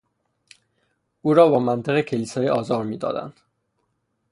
او را با منطق کلیسایی آزار می دادند